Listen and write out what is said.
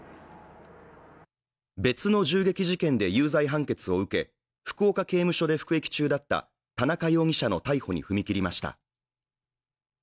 別の銃撃事件で有罪判決を受け、福岡刑務所で服役中だった田中容疑者の逮捕に踏み切りました。